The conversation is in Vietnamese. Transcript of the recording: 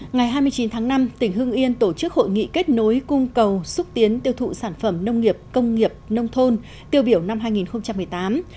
ngày hai mươi chín tháng năm tỉnh hưng yên tổ chức hội nghị kết nối cung cầu xúc tiến tiêu thụ sản phẩm nông nghiệp công nghiệp nông thôn tiêu biểu năm hai nghìn một mươi tám